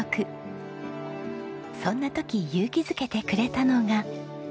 そんな時勇気づけてくれたのが。